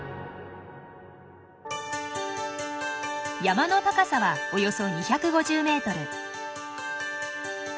山の高さはおよそ２５０ｍ。